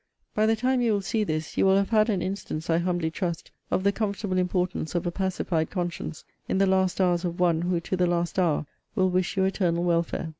By the time you will see this, you will have had an instance, I humbly trust, of the comfortable importance of a pacified conscience, in the last hours of one, who, to the last hour, will wish your eternal welfare.